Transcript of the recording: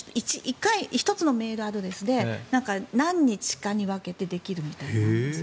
１つのメールアドレスで何日かに分けてできるみたいなんです。